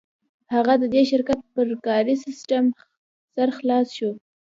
هغه د دې شرکت پر کاري سیسټم سر خلاص شو